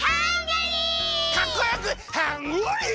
かっこよくハングリー！